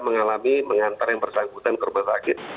mengalami mengantar yang bersangkutan ke rumah sakit